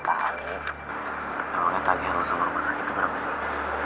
kalau ngerti aja lo sama orang yang sakit itu berapa sih